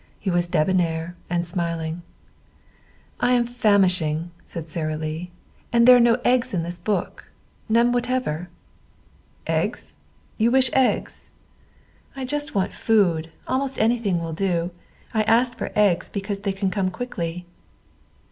He was debonnaire and smiling. "I am famishing," said Sara Lee. "And there are no eggs in this book none whatever." "Eggs! You wish eggs?" "I just want food. Almost anything will do. I asked for eggs because they can come quickly."